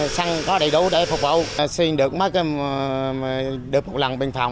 xăng có đầy đủ để phục vụ xuyên được một lần biên phòng